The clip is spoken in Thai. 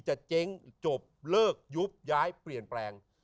เจ๊งจบเลิกยุบย้ายเปลี่ยนแปลง